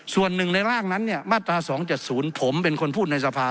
ส่วนหนึ่งในร่างนั้นเนี่ยมาตรา๒๗๐ผมเป็นคนพูดในสภา